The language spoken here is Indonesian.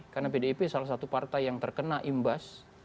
karena pdip salah satu partai yang terkena imbas